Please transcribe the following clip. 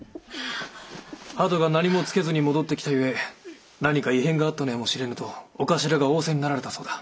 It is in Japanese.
鳩が何もつけずに戻ってきた故何か異変があったのやもしれぬと長官が仰せになられたそうだ。